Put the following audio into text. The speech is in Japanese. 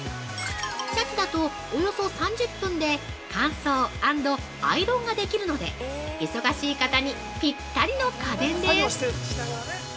シャツだと、およそ３０分で乾燥＆アイロンができるので、忙しい方にぴったりの家電です。